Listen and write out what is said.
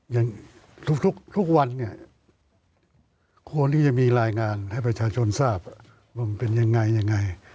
อย่างทุกวันควรที่จะมีรายงานให้ประชาชนทราบว่ามันเป็นอย่างไร